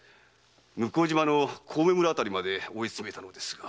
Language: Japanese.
向島の小梅村あたりまで追いつめたのですが。